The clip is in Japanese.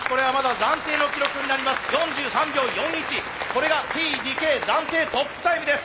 これがＴ・ＤＫ暫定トップタイムです。